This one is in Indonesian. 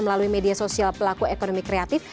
melalui media sosial pelaku ekonomi kreatif